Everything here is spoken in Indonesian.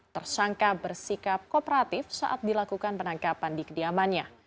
tersangka bersikap kooperatif saat dilakukan penangkapan di kediamannya